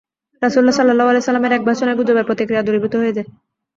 রাসূল সাল্লাল্লাহু আলাইহি ওয়াসাল্লাম-এর এক ভাষণেই গুজবের প্রতিক্রিয়া দূরীভূত হয়ে যায়।